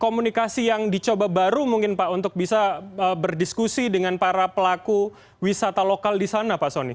komunikasi yang dicoba baru mungkin pak untuk bisa berdiskusi dengan para pelaku wisata lokal di sana pak soni